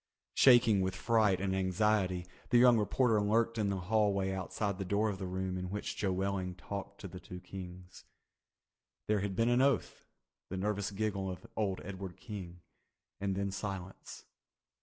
Shaking with fright and anxiety, the young reporter lurked in the hallway outside the door of the room in which Joe Welling talked to the two Kings. There had been an oath, the nervous giggle of old Edward King, and then silence.